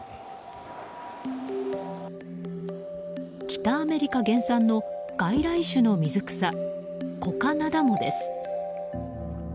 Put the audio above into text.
北アメリカ原産の外来種の水草コカナダモです。